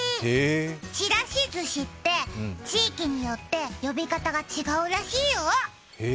ちらしずしって、地域によって呼び方が違うらしいよ。